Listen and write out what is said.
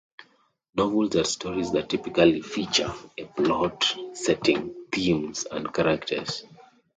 Novels are stories that typically feature a plot, setting, themes and characters.